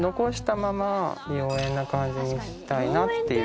な感じにしたいなっていう。